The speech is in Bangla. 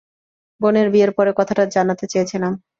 বোনের বিয়ের পরে কথাটা জানাতে চেয়েছিলাম।